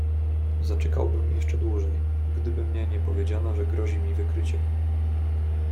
"Zaczekałbym jeszcze dłużej, gdyby mnie nie powiedziano, że grozi mi wykrycie."